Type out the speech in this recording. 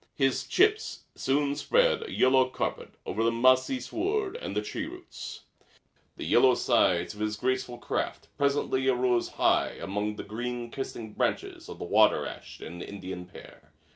His chips soon spread a yellow carpet over the mossy sward and the tree roots. The yellow sides of his graceful craft presently arose high among the green kissing branches of the water ash and Indian pear.